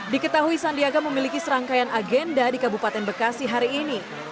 diketahui sandiaga memiliki serangkaian agenda di kabupaten bekasi hari ini